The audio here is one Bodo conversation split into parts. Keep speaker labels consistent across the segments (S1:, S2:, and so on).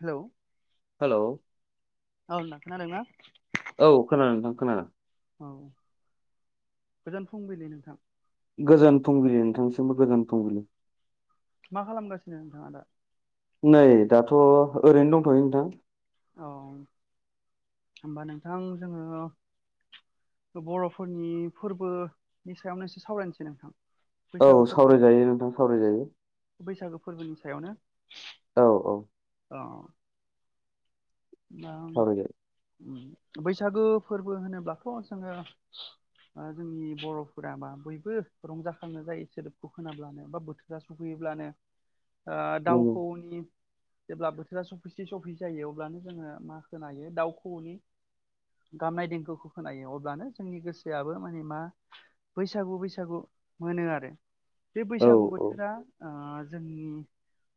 S1: हेलौ
S2: हेल'
S1: औ नोंथां खोनादोंना
S2: औ खोनादों नोंथां खोनादों
S1: औ गोजोन फुंबिलि नोंथां
S2: गोजोन फुंबिलि नोंथांसिमबो गोजोन फुंबिलि
S1: मा खालामगासिनो नोंथाङा दा
S2: नै दाथ' ओरैनो दंथ'यो नोंथां
S1: औ होमबा नोंथां जोङो बर'फोरनि फोरबोनि सायावनो एसे सावरायनोसै नोंथां।
S2: औ
S1: बैसागो फोरबोनि
S2: सावरायजायो नोंथां सावरायजायो
S1: बैसागो फोरबोनि सायावनो
S2: औ औ
S1: अ दा
S2: सावरायजायो
S1: बैसागो फोरबो होनोब्लाथ' जोङो ओ जोंनि बर'फोराबा बयबो रंजाखांनाय जायो सोदोबखौ खोनाब्लानो बा बोथोरा सफैयो ब्लानो
S2: नंगौ
S1: दाउखौनि जेब्ला बोथोरा सफैसे सफै जायो अब्लानो जोङो मा खोनायो दाउ खौवौनि गाबनाय देंखोखौ खोनायो अब्लानो जोंनि गोसोआबो माने मा बैसागु बैसागु मोनो आरो बे
S2: औ
S1: बैसागु
S2: औ
S1: बोथोरा ओ जोंनि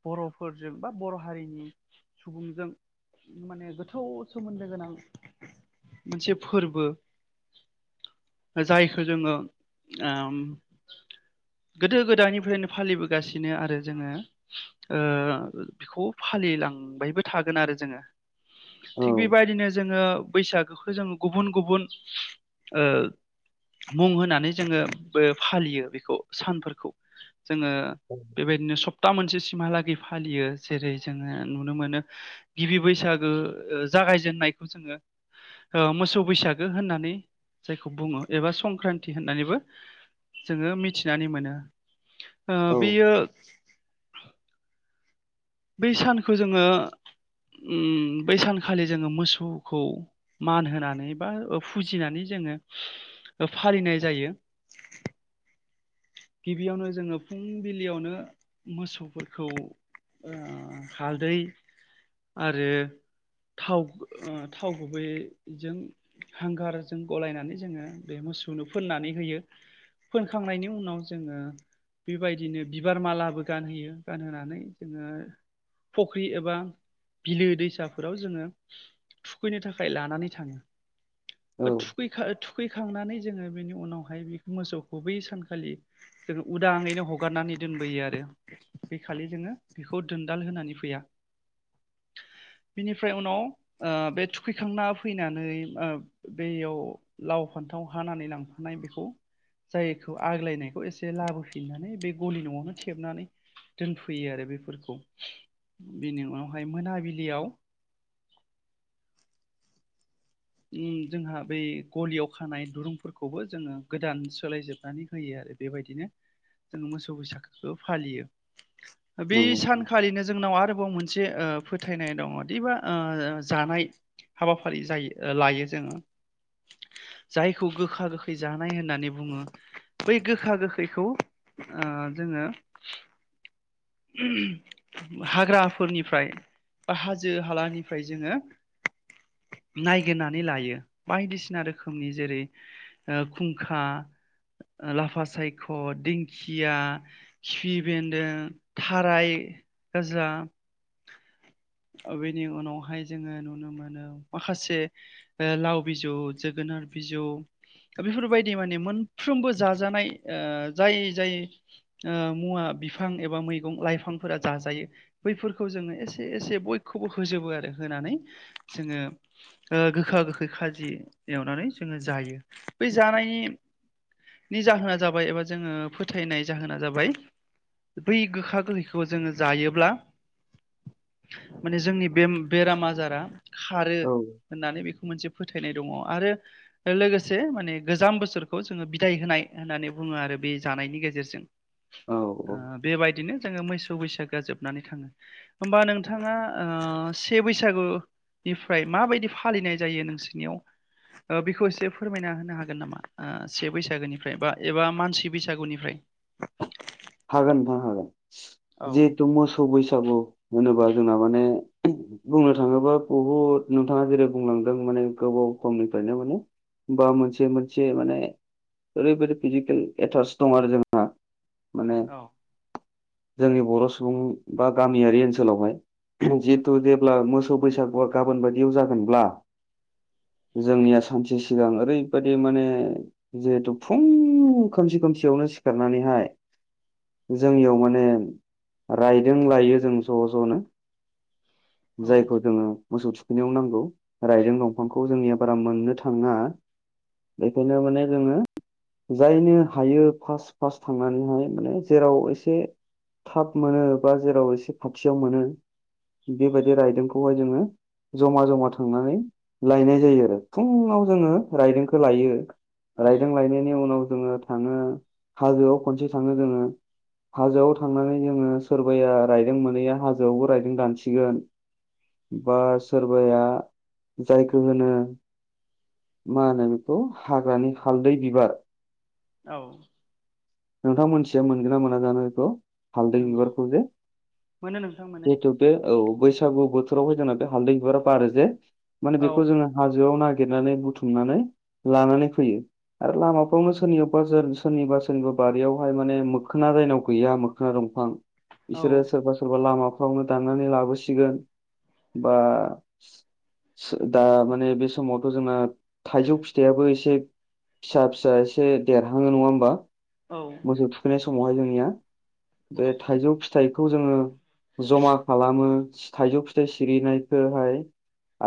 S1: बर'फोरजों बा बर' हारिनि सुबुंजों माने गोथौ सोमोन्दो गोनां मोनसे फोर्बो जायखौ जोङो आम गोदो-गोदायनिफ्रायनो फालिबोगासिनो आरो जोङो ओ बेखौ फालि लिलांबायबो थागोन आरो जोङो
S2: औ
S1: थिग बेबायदिनो जोङो बैसागोखौ जों गुबुन गुबुन ओ मुं होनानै जोङो बोह फालियो बेखौ सानफोरखौ जोङो बेबायदिनो सप्ता मोनसे सिमहाला गै फालियो जेरै जोङो नुनो मोनो गिबि बैसागो ओ जागायजेननायखौ जोङो ओ मोसौ बैसागो होननानै जायखौ बुङो एबा संक्रान्ति होननानैबो जोङो मिथिनानै मोनो ओ
S2: औ
S1: बेयो बै सानखौ जोङो उ बै सानखालि जोङो मोसौखौ मान होनानै बा फुजिनानै जों ङो फालिनाय जायो। गिबियावनो जोङो फुंबिलियावनो मोसौफोरखौ ओ हालदै आरो थाव ओ गुबैजों हांगारजों गलायनानै जोङो बे मोसौनो फोननानै होयो फोनखांनायनि उनाव जोङो बेबायदिनो बिबार मालाबो गानहोयो गानहोनानै जों ओ फख्रि एबा बिलो दैसाफोराव जोङो थुखैनो थाखाय लानानै थाङो।
S2: औ
S1: बा थुखैखा थुखै खांनानै जोङो बिनि उनावहाय बि मोसौखौ बै सानखालि जोङो उदांयैनो हगारनानै दोनबोयो आरो बेखालि जोङो बेखौ दोन्दाल होनानै फैया बिनिफ्राय उनाव ओह बे थुखैखांना फैनानै ओ बेयाव लाव फान न्थाव हानानै लांफानाय बेखौ जायखौ आग्लायनाय बे एसे लाबोफिननानै बे गलि न'आवनो थेबनानै दोनफैयो आरो बेफोरखौ बेनि उनावहाय मोनाबिलियाव उम जोंहा बै गलियाव खानाय दुरुंफोरखौबो जोङो गोदान सोलायजोबनानै होयो आ रो बेबायदिनो जोङो मोसौ बैसागोखौ फालियो। बै
S2: नंगौ
S1: सानखालिनो जोंनाव आरोबाव मोन से ओ फोथायनाय दङदिबा ओ जानाय हाबाफारि जायो। लायो जोङो जायखौ गोखा-गोखै जानाय होननानै बुङो। बै गोखा-गोखैखौ ओ जोङो हाग्राफोरनिफ्राय हाजो हालानिफ्राय जोङो नायगेरनानै लायो बायदिसिना रोखोमनि जेरै ओह खुंखा लाफा सायख' दिंखिया खिपि बेन्दों थाराय [unintelligible] बेनि उनावहाय जोङो नुनो मोनो माखासे ओह लाव बिजौ जोगोन नार बिजौ बेफोरबायदि माने मोनफ्रोमबो जाजानाय ओह जाय जाय ओ हम मुवा बिफां एबा मैगं लाइफांफोरा जाजायो बैफोरखौ जोङो एसे एसे बयखौबो होजोबो आरो होनानै जोङो ओह गोखा गोखै खाजि एवनानै जोङो जायो बे जानायनि निजाहोना जाबाय एबा जोङो फोथायनाय जाहोना जाबाय बै गोखा गोखैखौ जोङो जायोब्ला माने जोंनि बे बेराम आजारा खारो
S2: औ
S1: होननानै बेखौ मोनसे फोथायनाय दङ आरो लोगोसे माने गोजाम बोसोरखौ जोङो बिदाय होनाय होननानै ब बुङो आरो बे जानायनि गेजेरजों
S2: औ औ
S1: बेबायदिनो जोङो मोसौ बैसागो जोबनानै थाङो। होमबा नों नोंथाङा से बैसागुनिफ्राय माबायदि फालिनाय जायो नोंसिनियाव? बेखौ एसे फोरमायना होनो हागोन नामा? से बैसागोनिफ्राय बा एबा मानसि बैसागुनिफ्राय? [inaudible]
S2: हागोन नोंथां हागोन।
S1: औ
S2: जिहेथु मोसौ बैसागु होनोबा जोंना माने बुंनो थाङोबा बहुद नोंथाङा जेरै बुंलांदों माने गोबाव समनिफ्रायनो माने बा मोनसे मोनसे माने ओरैबायदि फिजिकेल एट्स दं आरो जोंहा माने
S1: औ
S2: जोंनि बर' सुबुं बा गामियारि ओनसोलावहाय जिहेतु
S1: नंगौ
S2: जेब्ला मोसौ बैसागुआ गाबोन बायदियाव जागोनब्ला जोंनिया सानसे सिगां ओरैबायदि माने जिहेथु फुं खोमसि खोमसियावनो सिखारनानैहाय जोंनियाव माने रायदों लायो जों ज' ज'नो
S1: औ
S2: जायखौ जोङो मोसौ थुखैनायाव नांगौ। रायदों दंफांखौ जोंनिया बारा मोननो थाङा? बेखायनो माने जोङो जायनो हायो फार्स्ट फार्स्ट थांनानैहाय माने जेराव एसे थाब मोनो बा जेराव एसे खथियाव मोनो बेबायदि रायदोंखौहाय जोङो जमा जमा थांनानै लायनाय जायो आरो फुङाव जोङो रायदोंंखौ लायो।
S1: औ
S2: रायदों लायनायनि उनाव जोङो थाङो हाजोआव खनसे थाङो जोङो हाजोआव थांनानै जोङो सोरबाया रायदों मोनैया हाजोआवबो रायदों दानसिगोन। बा सोरबाया जायखौ होनो मा होनो बेखौ हाग्रानि हालदै बिबार
S1: औ।
S2: नोंथां मोनिया मोनगोन ना मोना जानो बेखौ? हालदै
S1: नंगौ
S2: बिबारखौ जे
S1: मोनो नोंथां मोनो
S2: जिहेतु बे औ बैस बैसागु बोथोरावहाय जोंना बे हालदै बिबाराारो जे माने
S1: औ
S2: बेखौ जोङो हाजोआव नागिर नागिरनानै बुथुमनानै लानानै फैयो। आरो लामाफ्रावनो सोरनि बाजार सोर सोरनिबा सोरनिबा बारियावहाय माने मोखोना जायनाव गैया मोखोना दंफां बिसोरो
S1: औ
S2: सोरबा सोरबा लामा फावनो दानानै लाबोसिगोन बा दा माने बे समावथ' जोंना थाइजौ फिथाइयाबो एसे फिसा फिसा एसे देरहाङो नङा होमबा?
S1: औ
S2: मोसौ थुखैनाय समावहाय जोंनिया बे थाइजौ फिथाइखौ जोङो जमा खालामो थाइजौ फिथाइ सिरिनायखौहाय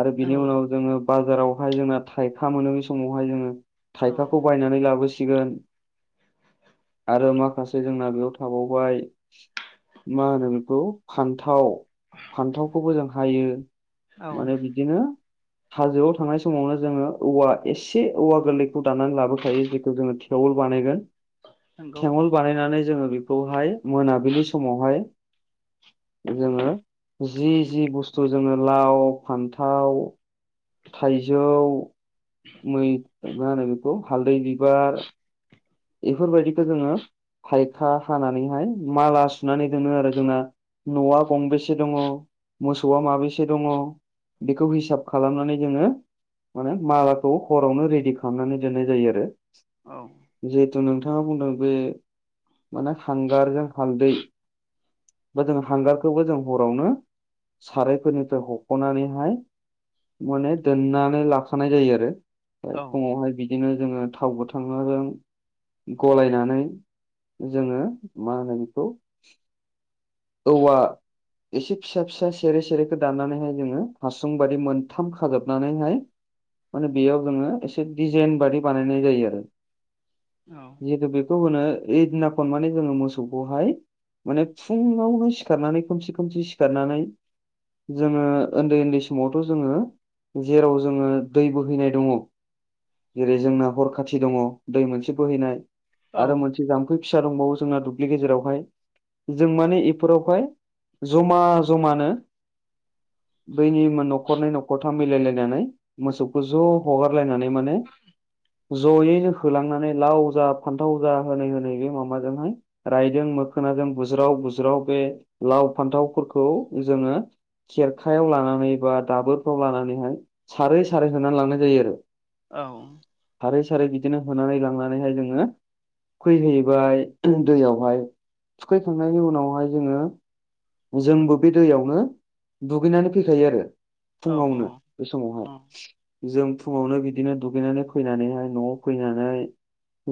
S2: आरो बिनि
S1: औ
S2: उनाव जोङो बाजारावहाय जोंना थाइखा मोनोनि समावहाय जोङो थायखाखौ
S1: औ
S2: बायनानै लाबोसिगोन
S1: [inaudible]
S2: आरो माखासे जोंना बेयाव थाबावबाय मा होनो बेखौ फान्थाव फान्थावखौबो जों हायो माने बिदिनो हाजोआव थांनाय समावनो जोङो औवा एसे औवा गोरलैखौ दानानै लाबोखायो जेखौ जोङो थेवल बानायगोन
S1: नंगौ
S2: थेंवल बानायनानै जोङो बेखौहाय मोनाबिलि समावहाय जोङो जि जि बुस्थु जोङो लाव फान्थाव थाइजौ मै मा होनो बेखौ हालदै बिबार बेफोरबायदिखौ जोङो थखयखा हानानैहाय माला सुनानै दोनो आरो जोंना न'आ गंबेसे दङ मोसौआ माबेसे दङ बेखौ हिसाब खालामनानै जोङो माने मालाखौ हरावनो रेडि खालामनानै दोननाय जायो आरो
S1: औ
S2: जिथु नोंथाङा बुंदों बे माने हांगारजों हालदै बा जों हांगारखौबो जों हरावनो सारायफोरनिफ्राय हख'नानैहाय माने दोननानै लाखानाय जायो आरो
S1: औ
S2: फुङावहाय बिदिनो जोङो थाव गोथांजों गलायनानै जोङो मा होनो बेखौ औवा एसे फिसा फिसा सेरे सेरेखौ दाननानैहाय जोङो हासुं बादि मोनथाम खाजोबनानैहाय माने बेयाव जोङो एसे डिजाइन बादि बानायनाय जायो आरो
S1: औ
S2: जिहेथु बेखौ होनो ओइदिना खननानै जोङो मोसौखौहाय माने फुङावनो सिखारनानै खमसे खमसे सिखारनानै जोङो उन्दै उन्दै समावथ' जोङो जेराव जोङो दै बोहैनाय दङ जेरै जोंना हर खाथि दङ दै मोनसे बोहैनाय
S1: औ
S2: आरो मोनसे जाम्फै फिसा दंबावो जोंना दुब्लि गेजेरावहाय जों माने बेफोरावहाय जमा जमानो
S1: [inaudible]
S2: बैनि न'खरनै न'खरथाम मिलायलायनानै मोसौखौ ज' हगारलायनानै माने जयैनो होलांनानै लाव जा फान्थाव जा होनै होनै बे माबाजोंहाय रायदों मोखोनाजों बुज्राव बुज्राव बे लाव फान्थावफोरखौ जोङो खेरखायाव लानानै बा दाबोरफ्राव लानानैहाय सारै सारै होनानै लांनाय जायो आरो
S1: औ
S2: सारै सारै बिदिनो होनानै लांनानैहाय जोङो थुखैहैबाय दैयावहाय थुखैखांनायनि उनावहाय जोङो जोंबो बे दैयावनो दुगैनानै फैखायो आरो
S1: औ औ
S2: फुङावनो बे समावहाय जों फुङावनो बिदि बिदिनो दुगैनानै फैनानैहाय न'आव फैनानै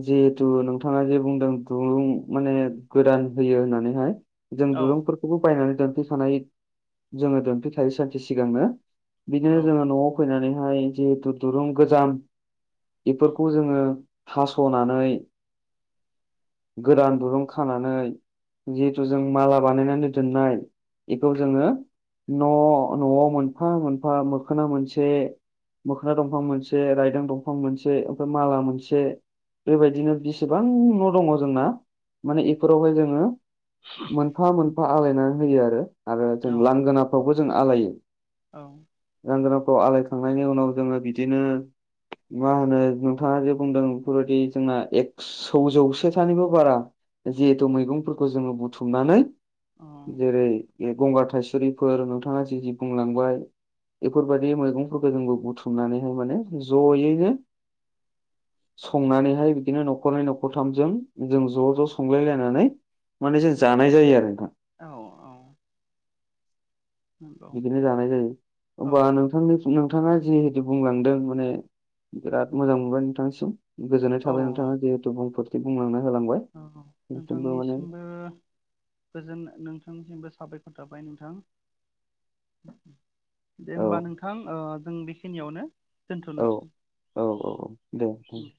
S2: जिहेथु नोंथाङा जे बुंदों दुरुं माने गोदान होयो होननानैहाय जों दुरुंफोरखौबो बायनानै दोनथैखानाय जोङो दोनफै खायो सानसे सिगांनो
S1: औ
S2: बिदिनो जोङो न'आव फैनानैहाय दुरुं गोजाम बेफोरखौ जोङो हास'नानै गोदान दुरुं खानानै जिहेथु जों माला बानायनानै दोननाय बेखौ जोङो न' न'आव मोनफा मोनफा मोखोना मोनसे मोखोना दंफां मोनसे रायदां दंफां मोनसे ओमफ्राय माला मोनसे बेबायदिनो बेसेबां न' दङ जोंना माने बेफोरावहाय जोङो मोनफा मोनफा आलायनानै होयो आरो आरो
S1: औ
S2: जों लांगोनाफ्रावबो जों आलायो लांगोना खौ आलायखांनायनि उनाव जोङो बिदिनो मा होनो नोंथाङा जे बुंदों बेफोरबायदि जोंना एकसौ जौसे सथानिबो बारा जिहेथु मैगंफोरखौ जोङो बुथुमनानै जेरै बे गंगार थाइसुरिफोर नोंथाङा जि जि बुंलांबाय बेफोरबायदि मैगंफोरखौ जोंङो बुथुमनानैहाय माने जयैनो संनानैहाय बिदिनो नखरनै नखरथामजों जों ज ज संलायलायनानै माने जों जानाय जायो आरो नोंथां
S1: औ औ
S2: बिदिनो जानाय जायो
S1: औ
S2: होमबा नोंथां [unintelligible] नोंथाङा जिहेतु बुंलांदों माने बिराद मोजां मोनबाय नोंथांनिसिम। गोजोन्नाय
S1: औ
S2: थाबाय नोंथाङा जिहेथु बुंफोरथि बुंलांना होलांबाय
S1: औ
S2: नोंसिनिथिंबो माने
S1: नोंथांनिसिमबो गोजोन नोंथांनिसिमबो साबायखर थाबाय नों थां दे
S2: औ
S1: होमबा नोंथां ओ जों बेखिनियावनो दोनथनोसै
S2: औ औ दे नोंथां
S1: उम